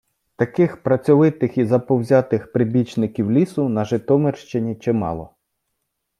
Таких працьовитих і заповзятих прибічників лісу на Житомирщині чимало.